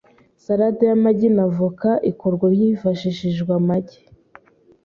Salade y’amagi n’avoka ikorwa hifashishijwe amagi,